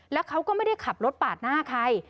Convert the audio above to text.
แล้วเขาก็ไม่ได้ขับรถปาดหน้าใคร